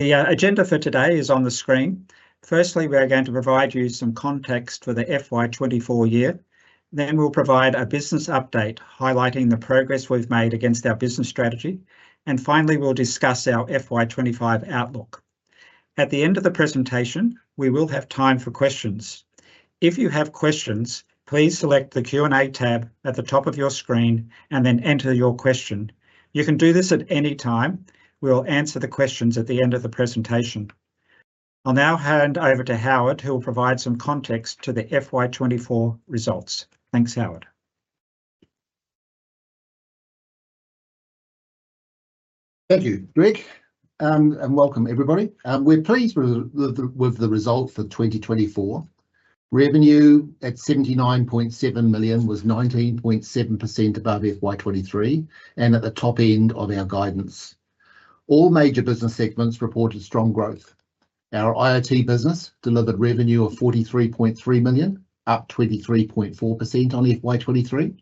The agenda for today is on the screen. Firstly, we are going to provide you some context for the FY 2024 year. Then we'll provide a business update highlighting the progress we've made against our business strategy. Finally, we'll discuss our FY 2025 outlook. At the end of the presentation, we will have time for questions. If you have questions, please select the Q&A tab at the top of your screen and then enter your question. You can do this at any time. We'll answer the questions at the end of the presentation. I'll now hand over to Howard, who will provide some context to the FY 2024 results. Thanks, Howard. Thank you, Greg. Welcome, everybody. We're pleased with the results for 2024. Revenue at 79.7 million was 19.7% above FY 2023 and at the top end of our guidance. All major business segments reported strong growth. Our IoT business delivered revenue of 43.3 million, up 23.4% on FY 2023.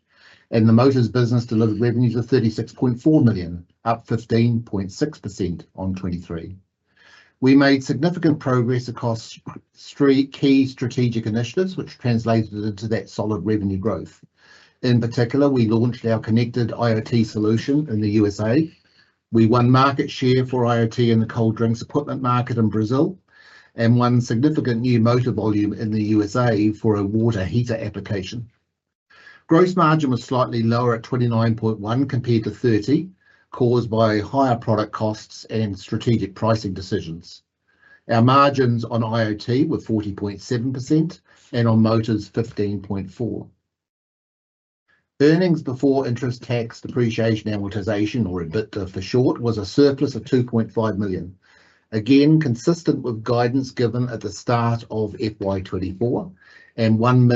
The Motors business delivered revenues of 36.4 million, up 15.6% on 2023. We made significant progress across three key strategic initiatives, which translated into that solid revenue growth. In particular, we launched our connected IoT solution in the USA. We won market share for IoT in the cold drinks equipment market in Brazil and won significant new motor volume in the USA for a water heater application. Gross margin was slightly lower at 29.1% compared to 30%, caused by higher product costs and strategic pricing decisions. Our margins on IoT were 40.7% and on Motors 15.4%. Earnings before interest, tax, depreciation, amortization, or EBITDA for short, was a surplus of 2.5 million, again consistent with guidance given at the start of FY 2024 and NZD 1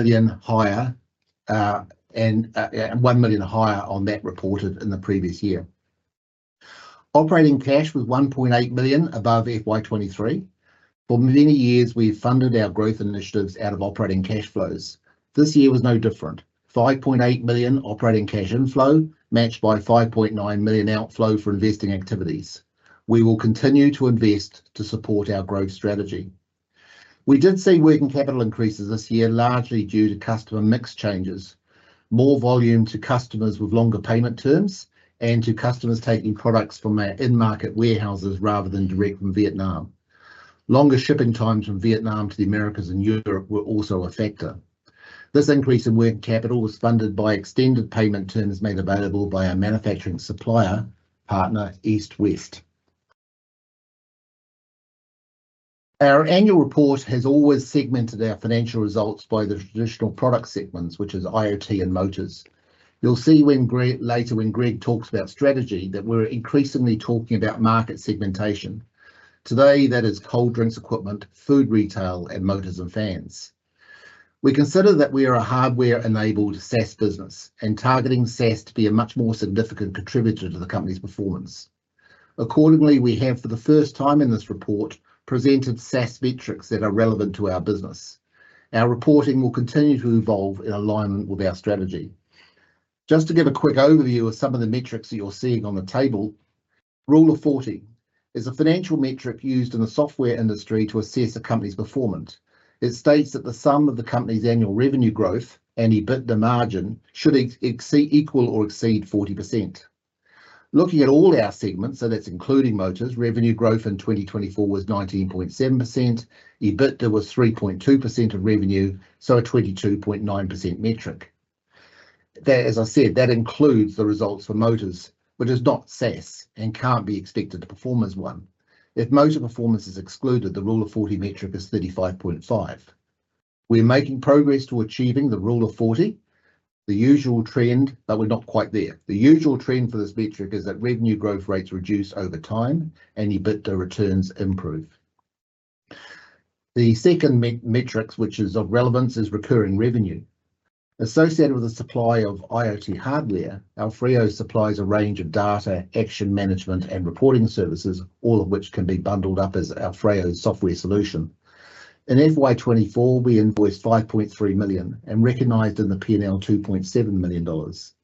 million higher on that reported in the previous year. Operating cash was 1.8 million above FY 2023. For many years, we've funded our growth initiatives out of operating cash flows. This year was no different. 5.8 million operating cash inflow matched by 5.9 million outflow for investing activities. We will continue to invest to support our growth strategy. We did see working capital increases this year, largely due to customer mix changes, more volume to customers with longer payment terms, and to customers taking products from our in-market warehouses rather than direct from Vietnam. Longer shipping times from Vietnam to the Americas and Europe were also a factor. This increase in working capital was funded by extended payment terms made available by our manufacturing supplier partner, East West. Our annual report has always segmented our financial results by the traditional product segments, which is IoT and Motors. You'll see later when Greg talks about strategy that we're increasingly talking about market segmentation. Today, that is cold drinks equipment, food retail, and motors and fans. We consider that we are a hardware-enabled SaaS business and targeting SaaS to be a much more significant contributor to the company's performance. Accordingly, we have, for the first time in this report, presented SaaS metrics that are relevant to our business. Our reporting will continue to evolve in alignment with our strategy. Just to give a quick overview of some of the metrics that you're seeing on the table, Rule of 40 is a financial metric used in the software industry to assess a company's performance. It states that the sum of the company's annual revenue growth and EBITDA margin should equal or exceed 40%. Looking at all our segments, so that's including Motors, revenue growth in 2024 was 19.7%. EBITDA was 3.2% of revenue, so a 22.9% metric. As I said, that includes the results for Motors, which is not SaaS and can't be expected to perform as one. If motor performance is excluded, the Rule of 40 metric is 35.5. We're making progress to achieving the Rule of 40, the usual trend, but we're not quite there. The usual trend for this metric is that revenue growth rates reduce over time and EBITDA returns improve. The second metric, which is of relevance, is recurring revenue. Associated with the supply of IoT hardware, AoFrio supplies a range of data action management and reporting services, all of which can be bundled up as AoFrio software solution. In FY 2024, we invoiced 5.3 million and recognized in the P&L 2.7 million dollars.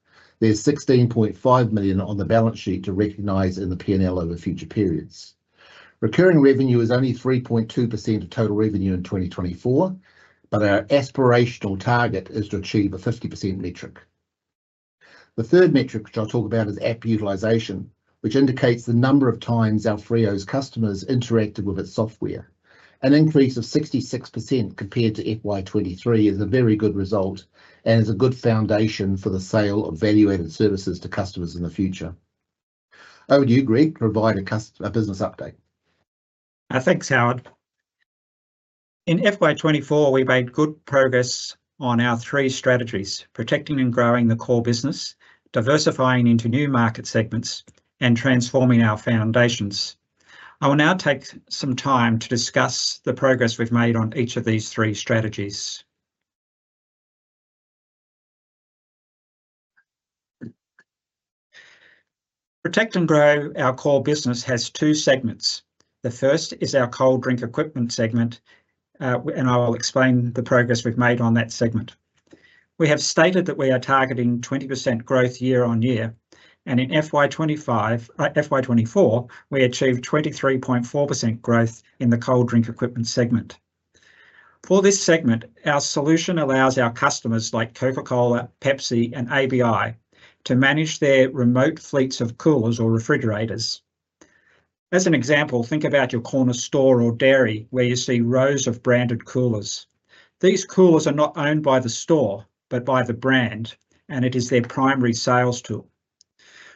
There is 16.5 million on the balance sheet to recognize in the P&L over future periods. Recurring revenue is only 3.2% of total revenue in 2024, but our aspirational target is to achieve a 50% metric. The third metric, which I'll talk about, is app utilization, which indicates the number of times AoFrio's customers interacted with its software. An increase of 66% compared to FY 2023 is a very good result and is a good foundation for the sale of value-added services to customers in the future. Over to you, Greg, to provide a business update. Thanks, Howard. In FY 2024, we made good progress on our three strategies: protecting and growing the core business, diversifying into new market segments, and transforming our foundations. I will now take some time to discuss the progress we've made on each of these three strategies. Protect and grow our core business has two segments. The first is our cold drink equipment segment, and I will explain the progress we've made on that segment. We have stated that we are targeting 20% growth year on year. In FY 2024, we achieved 23.4% growth in the cold drink equipment segment. For this segment, our solution allows our customers like Coca-Cola, Pepsi, and ABI to manage their remote fleets of coolers or refrigerators. As an example, think about your corner store or dairy where you see rows of branded coolers. These coolers are not owned by the store, but by the brand, and it is their primary sales tool.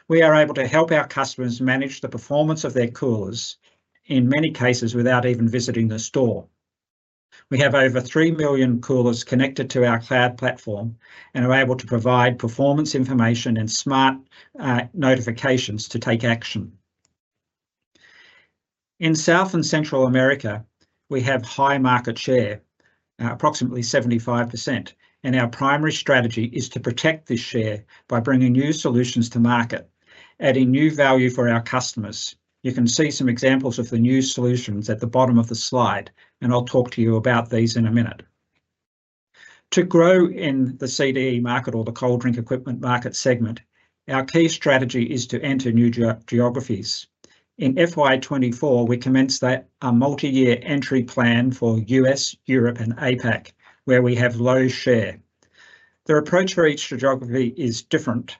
We are able to help our customers manage the performance of their coolers in many cases without even visiting the store. We have over 3 million coolers connected to our cloud platform and are able to provide performance information and smart notifications to take action. In South and Central America, we have high market share, approximately 75%, and our primary strategy is to protect this share by bringing new solutions to market, adding new value for our customers. You can see some examples of the new solutions at the bottom of the slide, and I'll talk to you about these in a minute. To grow in the CDE market or the cold drink equipment market segment, our key strategy is to enter new geographies. In FY 2024, we commenced a multi-year entry plan for the U.S., Europe, and APAC, where we have low share. The approach for each geography is different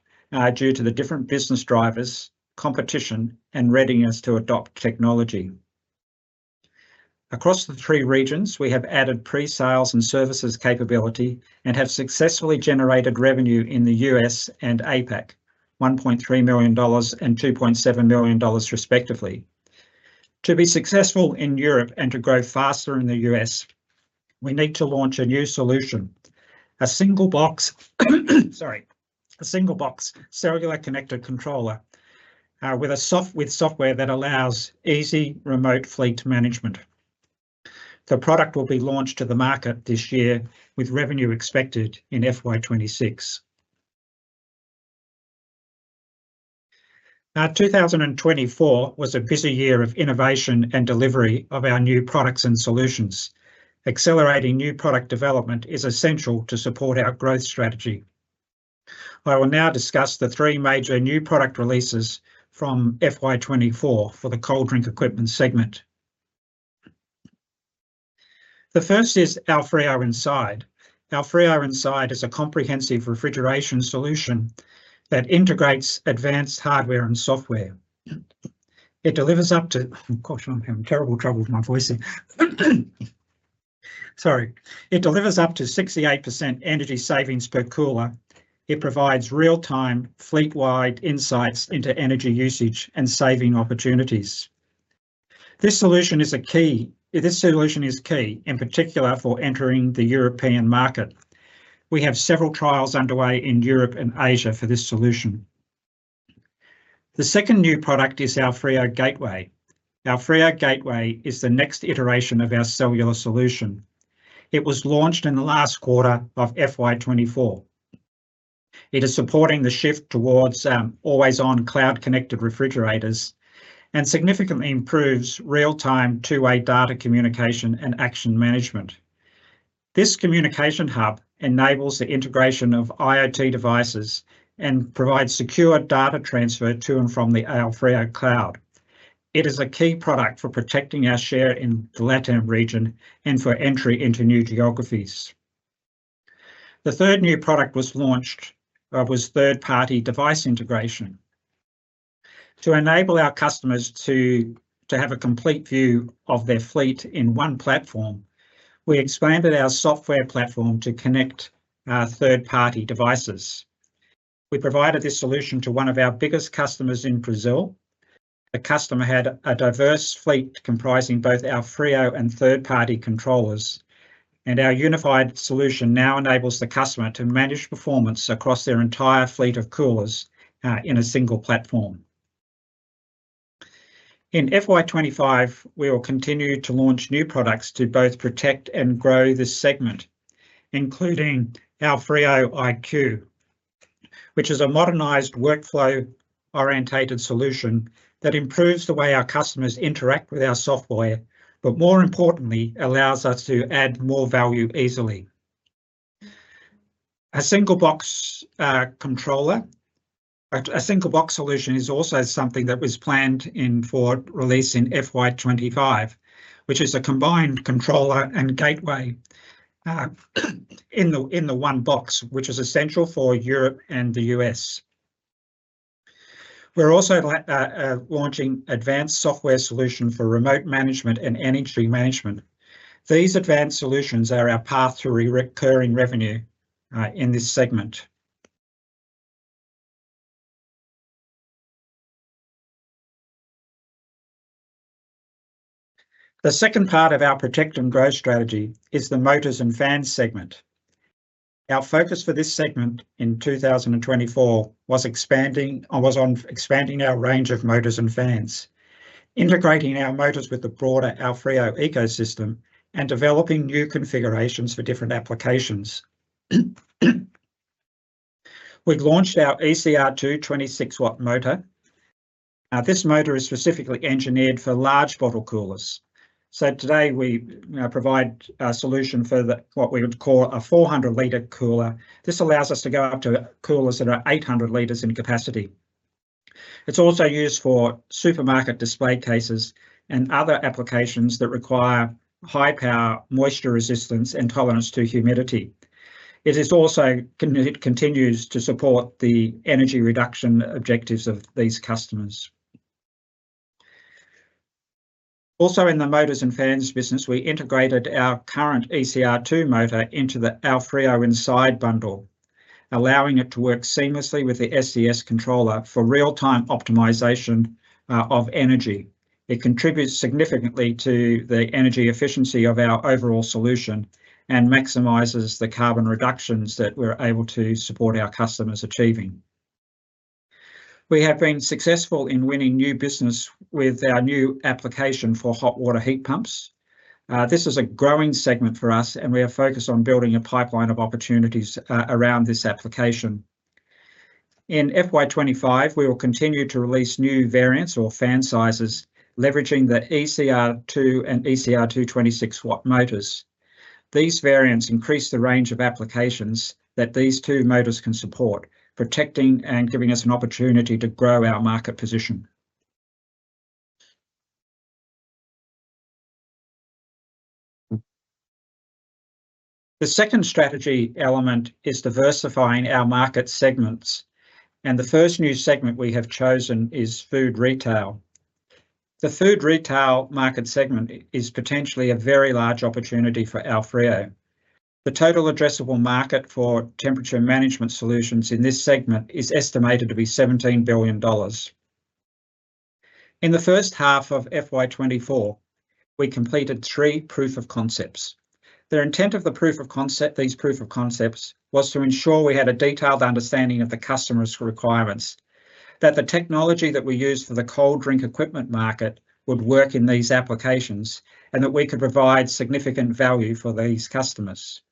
due to the different business drivers, competition, and readiness to adopt technology. Across the three regions, we have added pre-sales and services capability and have successfully generated revenue in the U.S. and APAC, 1.3 million dollars and 2.7 million dollars respectively. To be successful in Europe and to grow faster in the U.S., we need to launch a new solution, a single box cellular connected controller with software that allows easy remote fleet management. The product will be launched to the market this year with revenue expected in FY 2026. 2024 was a busy year of innovation and delivery of our new products and solutions. Accelerating new product development is essential to support our growth strategy. I will now discuss the three major new product releases from FY 2024 for the cold drink equipment segment. The first is AoFrio INSIDE. AoFrio INSIDE is a comprehensive refrigeration solution that integrates advanced hardware and software. It delivers up to—gosh, I'm having terrible trouble with my voice here. Sorry. It delivers up to 68% energy savings per cooler. It provides real-time fleet-wide insights into energy usage and saving opportunities. This solution is key, in particular for entering the European market. We have several trials underway in Europe and Asia for this solution. The second new product is AoFrio Gateway. AoFrio Gateway is the next iteration of our cellular solution. It was launched in the last quarter of FY 2024. It is supporting the shift towards always-on cloud-connected refrigerators and significantly improves real-time two-way data communication and action management. This communication hub enables the integration of IoT devices and provides secure data transfer to and from the AoFrio cloud. It is a key product for protecting our share in the LATAM region and for entry into new geographies. The third new product was launched was third-party device integration. To enable our customers to have a complete view of their fleet in one platform, we expanded our software platform to connect third-party devices. We provided this solution to one of our biggest customers in Brazil. The customer had a diverse fleet comprising both AoFrio and third-party controllers, and our unified solution now enables the customer to manage performance across their entire fleet of coolers in a single platform. In FY 2025, we will continue to launch new products to both protect and grow this segment, including AoFrio iQ, which is a modernized workflow-oriented solution that improves the way our customers interact with our software, but more importantly, allows us to add more value easily. A single box solution is also something that was planned for release in FY 2025, which is a combined controller and gateway in the one box, which is essential for Europe and the U.S. We are also launching an advanced software solution for remote management and energy management. These advanced solutions are our path to recurring revenue in this segment. The second part of our protect and grow strategy is the motors and fans segment. Our focus for this segment in 2024 was on expanding our range of motors and fans, integrating our motors with the broader AoFrio ecosystem, and developing new configurations for different applications. We've launched our ECR2 26-watt motor. This motor is specifically engineered for large bottle coolers. Today, we provide a solution for what we would call a 400-liter cooler. This allows us to go up to coolers that are 800 liters in capacity. It is also used for supermarket display cases and other applications that require high-power moisture resistance and tolerance to humidity. It also continues to support the energy reduction objectives of these customers. Also, in the motors and fans business, we integrated our current ECR2 motor into the AoFrio INSIDE bundle, allowing it to work seamlessly with the SCS controller for real-time optimization of energy. It contributes significantly to the energy efficiency of our overall solution and maximizes the carbon reductions that we are able to support our customers achieving. We have been successful in winning new business with our new application for hot water heat pumps. This is a growing segment for us, and we are focused on building a pipeline of opportunities around this application. In FY 2025, we will continue to release new variants or fan sizes, leveraging the ECR2 and ECR2 26-watt motors. These variants increase the range of applications that these two motors can support, protecting and giving us an opportunity to grow our market position. The second strategy element is diversifying our market segments, and the first new segment we have chosen is food retail. The food retail market segment is potentially a very large opportunity for AoFrio. The total addressable market for temperature management solutions in this segment is estimated to be 17 billion dollars. In the first half of FY 2024, we completed three proof of concepts. The intent of these proof of concepts was to ensure we had a detailed understanding of the customer's requirements, that the technology that we use for the cold drink equipment market would work in these applications, and that we could provide significant value for these customers.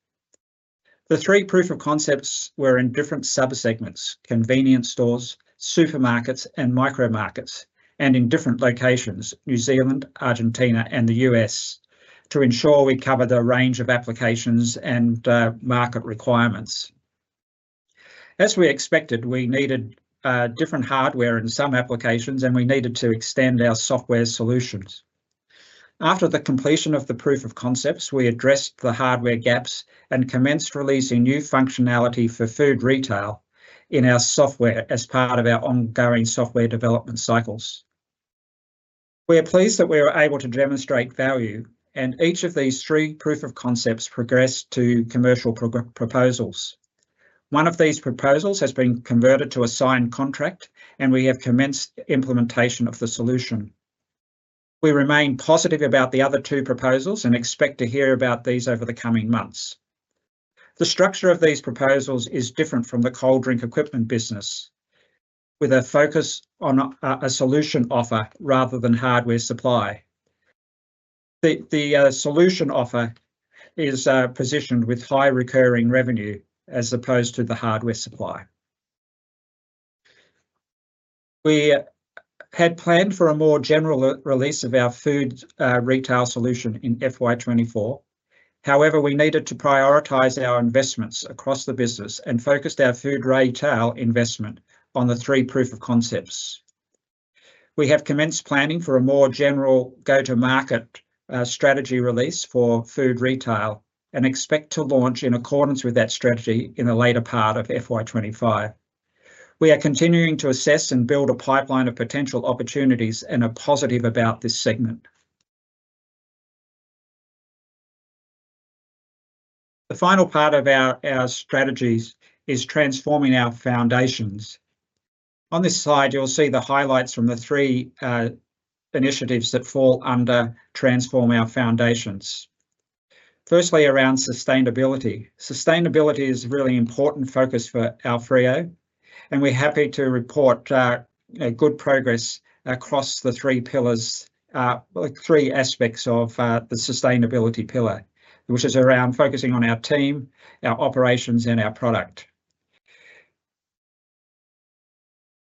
The three proof of concepts were in different sub-segments: convenience stores, supermarkets, and micro-markets, and in different locations: New Zealand, Argentina, and the U.S., to ensure we cover the range of applications and market requirements. As we expected, we needed different hardware in some applications, and we needed to extend our software solutions. After the completion of the proof of concepts, we addressed the hardware gaps and commenced releasing new functionality for food retail in our software as part of our ongoing software development cycles. We are pleased that we were able to demonstrate value, and each of these three proof of concepts progressed to commercial proposals. One of these proposals has been converted to a signed contract, and we have commenced implementation of the solution. We remain positive about the other two proposals and expect to hear about these over the coming months. The structure of these proposals is different from the cold drink equipment business, with a focus on a solution offer rather than hardware supply. The solution offer is positioned with high recurring revenue as opposed to the hardware supply. We had planned for a more general release of our food retail solution in FY 2024. However, we needed to prioritize our investments across the business and focused our food retail investment on the three proof of concepts. We have commenced planning for a more general go-to-market strategy release for food retail and expect to launch in accordance with that strategy in the later part of FY 2025. We are continuing to assess and build a pipeline of potential opportunities and are positive about this segment. The final part of our strategies is transforming our foundations. On this slide, you'll see the highlights from the three initiatives that fall under transform our foundations. Firstly, around sustainability. Sustainability is a really important focus for AoFrio, and we're happy to report good progress across the three pillars, three aspects of the sustainability pillar, which is around focusing on our team, our operations, and our product.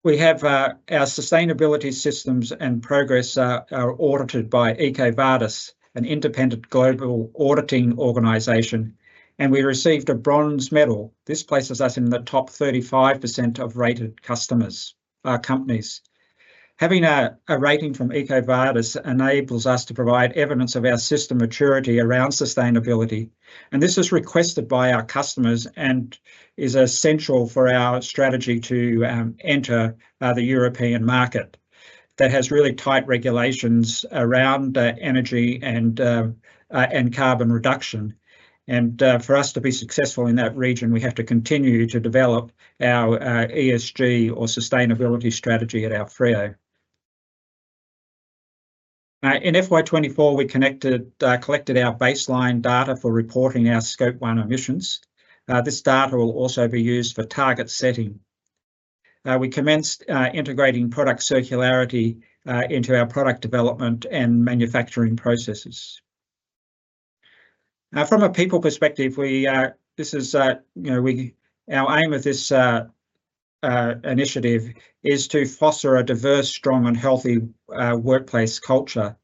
We have our sustainability systems and progress audited by EcoVadis, an independent global auditing organization, and we received a bronze medal. This places us in the top 35% of rated customers or companies. Having a rating from EcoVadis enables us to provide evidence of our system maturity around sustainability, and this is requested by our customers and is essential for our strategy to enter the European market. That has really tight regulations around energy and carbon reduction, and for us to be successful in that region, we have to continue to develop our ESG or sustainability strategy at AoFrio. In FY 2024, we collected our baseline data for reporting our Scope 1 emissions. This data will also be used for target setting. We commenced integrating product circularity into our product development and manufacturing processes. From a people perspective, this is our aim with this initiative is to foster a diverse, strong, and healthy workplace culture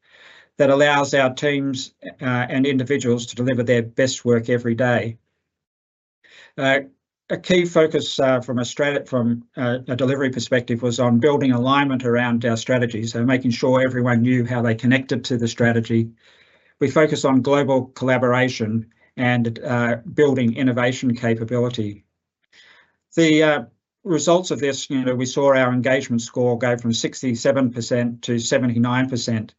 that allows our teams and individuals to deliver their best work every day. A key focus from a delivery perspective was on building alignment around our strategies, making sure everyone knew how they connected to the strategy. We focus on global collaboration and building innovation capability. The results of this, we saw our engagement score go from 67% to 79%.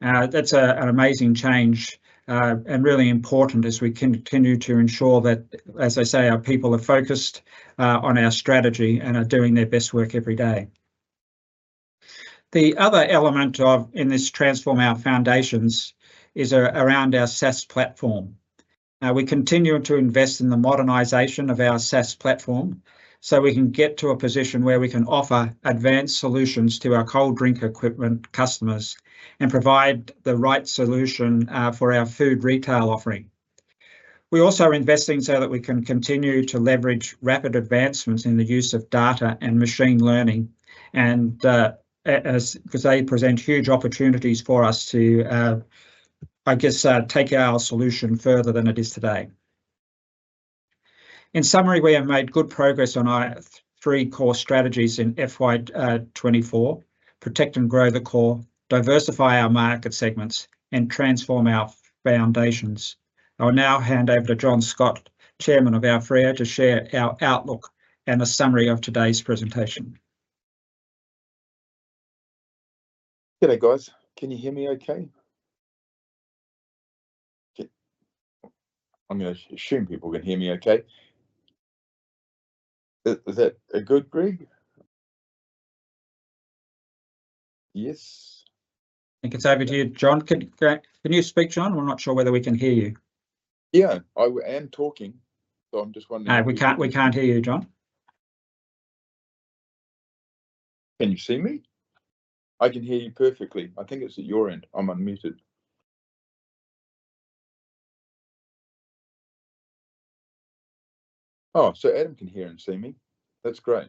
That's an amazing change and really important as we continue to ensure that, as I say, our people are focused on our strategy and are doing their best work every day. The other element in this transform our foundations is around our SaaS platform. We continue to invest in the modernization of our SaaS platform so we can get to a position where we can offer advanced solutions to our cold drink equipment customers and provide the right solution for our food retail offering. We're also investing so that we can continue to leverage rapid advancements in the use of data and machine learning, because they present huge opportunities for us to, I guess, take our solution further than it is today. In summary, we have made good progress on our three core strategies in FY 2024: protect and grow the core, diversify our market segments, and transform our foundations. I will now hand over to John Scott, Chairman of AoFrio, to share our outlook and the summary of today's presentation. Hello, guys. Can you hear me okay? Okay. I'm going to assume people can hear me okay. Is that good, Greg? Yes. I think it's over to you, John. Can you speak, John? We're not sure whether we can hear you. Yeah, I am talking, so I'm just wondering. We can't hear you, John. Can you see me? I can hear you perfectly. I think it's at your end. I'm unmuted. Oh, so Adam can hear and see me. That's great.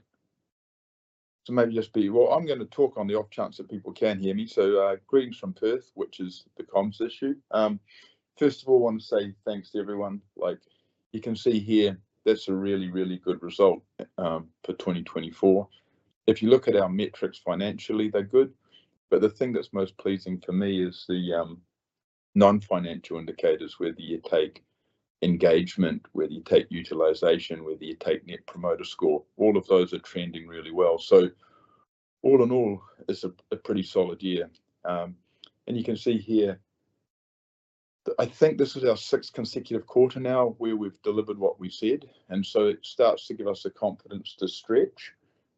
Maybe just be, well, I'm going to talk on the off chance that people can hear me. Greetings from Perth, which is the comms issue. First of all, I want to say thanks to everyone. Like you can see here, that's a really, really good result for 2024. If you look at our metrics financially, they're good. The thing that's most pleasing to me is the non-financial indicators, whether you take engagement, whether you take utilization, whether you take Net Promoter Score. All of those are trending really well. All in all, it's a pretty solid year. You can see here, I think this is our sixth consecutive quarter now where we've delivered what we said. It starts to give us the confidence to stretch.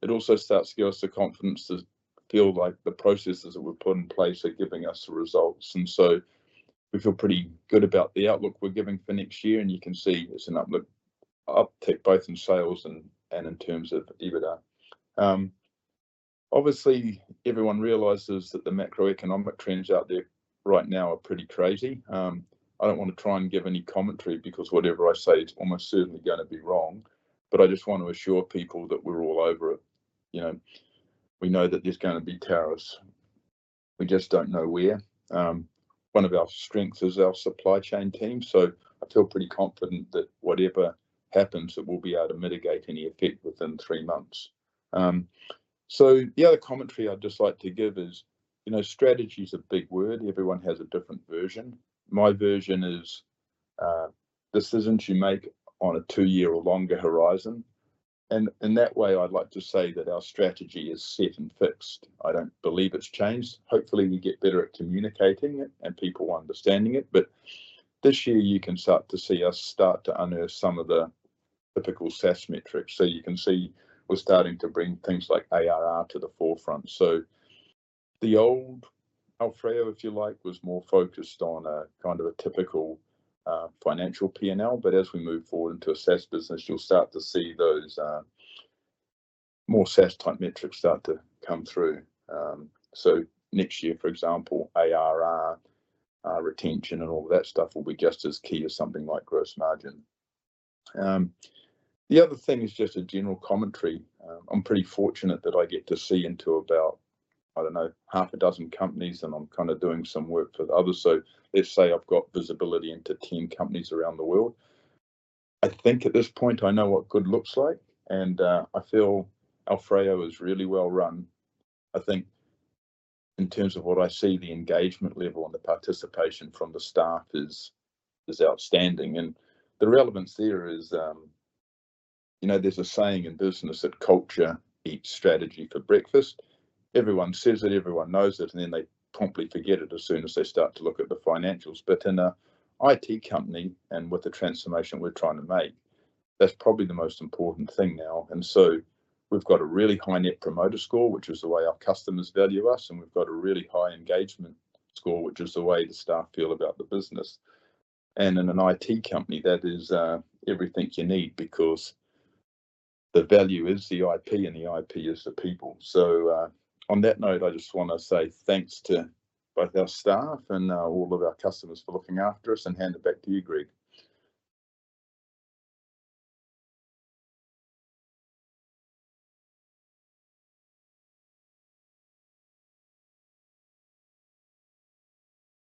It also starts to give us the confidence to feel like the processes that we've put in place are giving us the results. We feel pretty good about the outlook we're giving for next year. You can see it's an uptick both in sales and in terms of EBITDA. Obviously, everyone realizes that the macroeconomic trends out there right now are pretty crazy. I don't want to try and give any commentary because whatever I say is almost certainly going to be wrong. I just want to assure people that we're all over it. We know that there's going to be tariffs. We just don't know where. One of our strengths is our supply chain team. I feel pretty confident that whatever happens, it will be able to mitigate any effect within three months. The other commentary I'd just like to give is strategy is a big word. Everyone has a different version. My version is decisions you make on a two-year or longer horizon. In that way, I'd like to say that our strategy is set and fixed. I don't believe it's changed. Hopefully, we get better at communicating it and people understanding it. This year, you can start to see us start to unearth some of the typical SaaS metrics. You can see we're starting to bring things like ARR to the forefront. The old AoFrio, if you like, was more focused on a kind of a typical financial P&L. As we move forward into a SaaS business, you'll start to see those more SaaS-type metrics start to come through. Next year, for example, ARR retention and all of that stuff will be just as key as something like gross margin. The other thing is just a general commentary. I'm pretty fortunate that I get to see into about, I don't know, half a dozen companies, and I'm kind of doing some work for the others. Let's say I've got visibility into 10 companies around the world. I think at this point, I know what good looks like, and I feel AoFrio is really well-run. I think in terms of what I see, the engagement level and the participation from the staff is outstanding. The relevance there is there's a saying in business that culture eats strategy for breakfast. Everyone says it, everyone knows it, and then they promptly forget it as soon as they start to look at the financials. In an IT company and with the transformation we're trying to make, that's probably the most important thing now. We've got a really high net promoter score, which is the way our customers value us, and we've got a really high engagement score, which is the way the staff feel about the business. In an IT company, that is everything you need because the value is the IP, and the IP is the people. On that note, I just want to say thanks to both our staff and all of our customers for looking after us, and hand it back to you, Greg.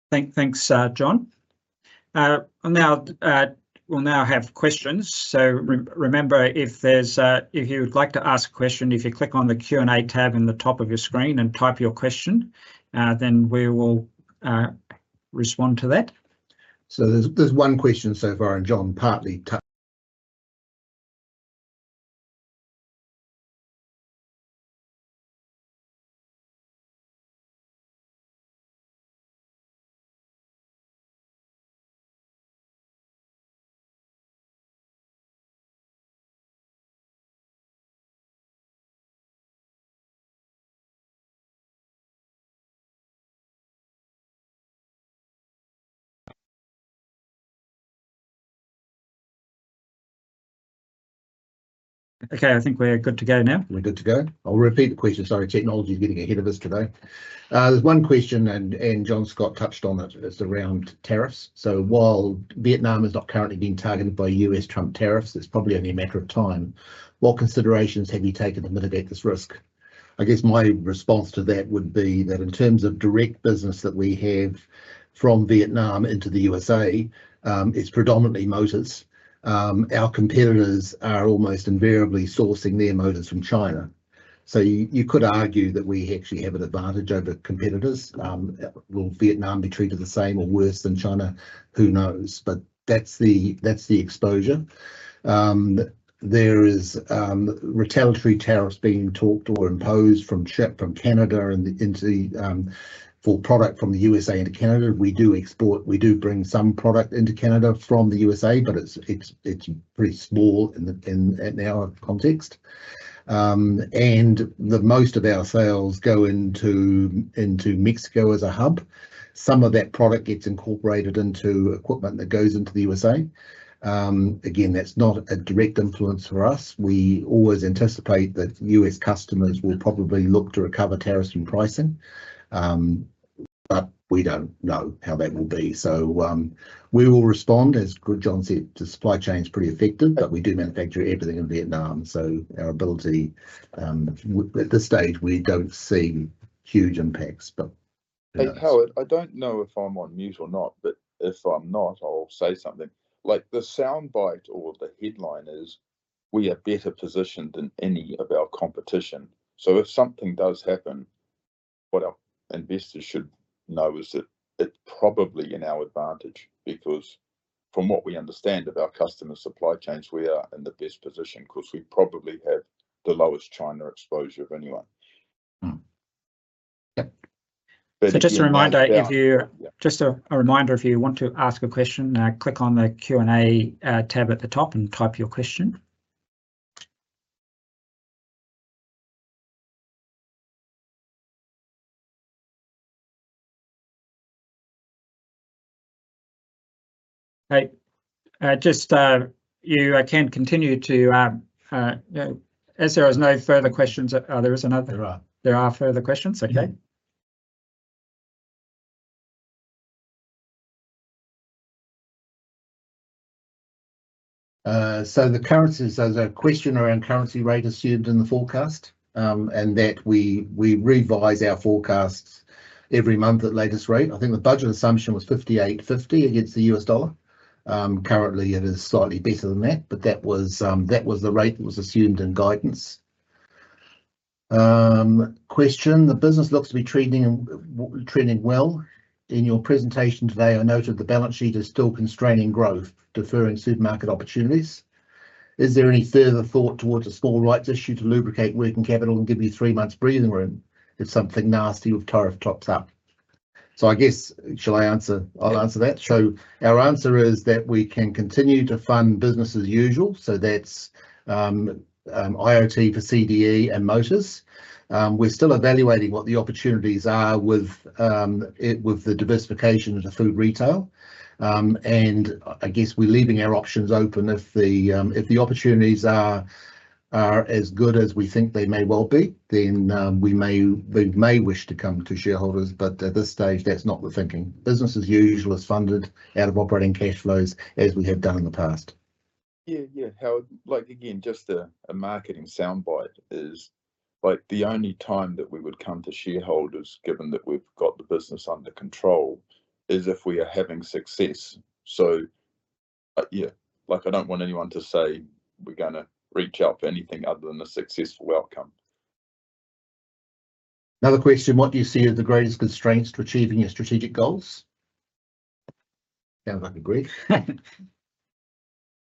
Thanks, John. We will now have questions. Remember, if you would like to ask a question, if you click on the Q&A tab at the top of your screen and type your question, we will respond to that. There is one question so far, and John partly touched. Okay, I think we're good to go now. We're good to go. I'll repeat the question. Sorry, technology's getting ahead of us today. There's one question, and John Scott touched on it. It's around tariffs. While Vietnam is not currently being targeted by U.S. Trump tariffs, it's probably only a matter of time. What considerations have you taken to mitigate this risk? I guess my response to that would be that in terms of direct business that we have from Vietnam into the USA, it's predominantly motors. Our competitors are almost invariably sourcing their motors from China. You could argue that we actually have an advantage over competitors. Will Vietnam be treated the same or worse than China? Who knows? That's the exposure. There are retaliatory tariffs being talked or imposed from Canada for product from the USA into Canada. We do export. We do bring some product into Canada from the USA, but it's pretty small in our context. Most of our sales go into Mexico as a hub. Some of that product gets incorporated into equipment that goes into the USA. Again, that's not a direct influence for us. We always anticipate that U.S. customers will probably look to recover tariffs from pricing, but we don't know how that will be. We will respond, as John said, to supply chains pretty effective, but we do manufacture everything in Vietnam. Our ability at this stage, we don't see huge impacts. Howard, I don't know if I'm on mute or not, but if I'm not, I'll say something. The soundbite or the headline is, "We are better positioned than any of our competition." If something does happen, what our investors should know is that it's probably in our advantage because from what we understand of our customers' supply chains, we are in the best position because we probably have the lowest China exposure of anyone. Just a reminder, if you want to ask a question, click on the Q&A tab at the top and type your question. Okay. You can continue as there are no further questions. There is another. There are. There are further questions. Okay. The currencies, there's a question around currency rate assumed in the forecast and that we revise our forecasts every month at latest rate. I think the budget assumption was 58.50 against the U.S. dollar. Currently, it is slightly better than that, but that was the rate that was assumed in guidance. Question, the business looks to be trending well. In your presentation today, I noted the balance sheet is still constraining growth, deferring supermarket opportunities. Is there any further thought towards a small rights issue to lubricate working capital and give you three months' breathing room if something nasty with tariff tops up? I guess, shall I answer? I'll answer that. Our answer is that we can continue to fund business as usual. That's IoT for CDE and motors. We're still evaluating what the opportunities are with the diversification of the food retail. We are leaving our options open. If the opportunities are as good as we think they may well be, we may wish to come to shareholders. At this stage, that is not the thinking. Business as usual is funded out of operating cash flows as we have done in the past. Yeah, yeah. Howard, again, just a marketing soundbite is the only time that we would come to shareholders, given that we've got the business under control, is if we are having success. Yeah, I don't want anyone to say we're going to reach out for anything other than a successful outcome. Another question, what do you see as the greatest constraints to achieving your strategic goals? Sounds like a great.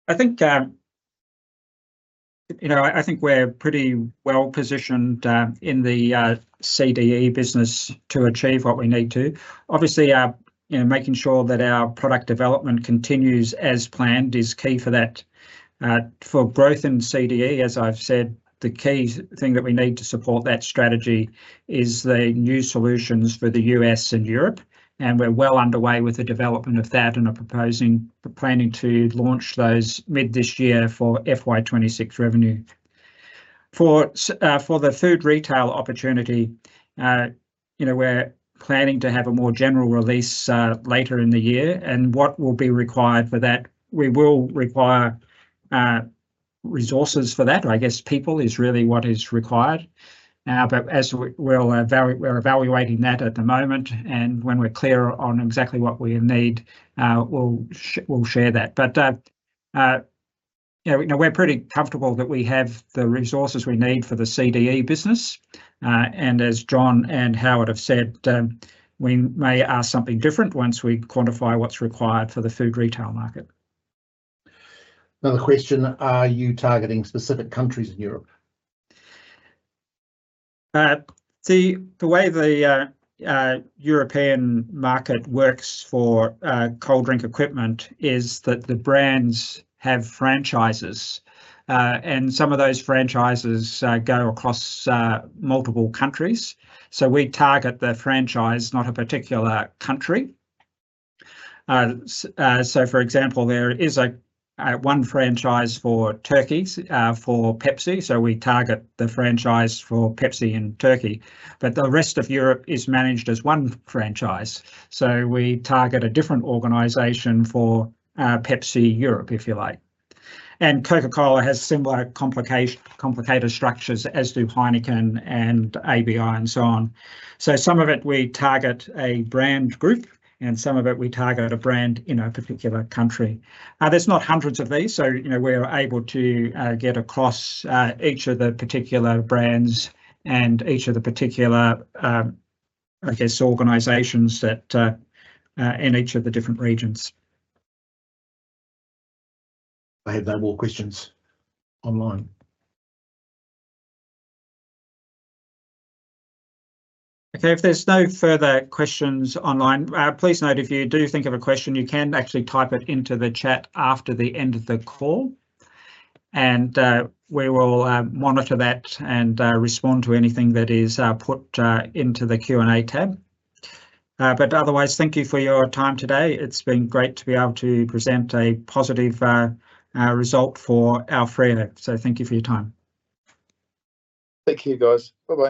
I think we're pretty well positioned in the CDE business to achieve what we need to. Obviously, making sure that our product development continues as planned is key for that. For growth in CDE, as I've said, the key thing that we need to support that strategy is the new solutions for the U.S. and Europe. We're well underway with the development of that and are planning to launch those mid this year for FY 2026 revenue. For the food retail opportunity, we're planning to have a more general release later in the year. What will be required for that? We will require resources for that. I guess people is really what is required. We're evaluating that at the moment. When we're clear on exactly what we need, we'll share that. We're pretty comfortable that we have the resources we need for the CDE business. As John and Howard have said, we may ask something different once we quantify what's required for the food retail market. Another question, are you targeting specific countries in Europe? See, the way the European market works for cold drink equipment is that the brands have franchises. Some of those franchises go across multiple countries. We target the franchise, not a particular country. For example, there is one franchise for Turkey for Pepsi. We target the franchise for Pepsi in Turkey. The rest of Europe is managed as one franchise. We target a different organization for Pepsi Europe, if you like. Coca-Cola has similar complicated structures as do Heineken and ABI and so on. Some of it, we target a brand group, and some of it, we target a brand in a particular country. There are not hundreds of these. We are able to get across each of the particular brands and each of the particular, I guess, organizations in each of the different regions. I have no more questions online. Okay, if there's no further questions online, please note if you do think of a question, you can actually type it into the chat after the end of the call. We will monitor that and respond to anything that is put into the Q&A tab. Otherwise, thank you for your time today. It's been great to be able to present a positive result for AoFrio. Thank you for your time. Thank you, guys. Bye-bye.